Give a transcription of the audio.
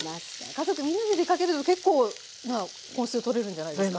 家族みんなで出かけると結構な本数とれるんじゃないですか。